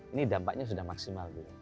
ini dampaknya sudah maksimal